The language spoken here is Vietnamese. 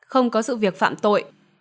không có sự việc phạm tội